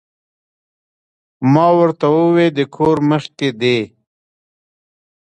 ما ورته ووې د کور مخ کښې دې